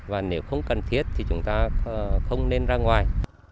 và nếu không cần thiết thì chúng ta không nên ra ngoài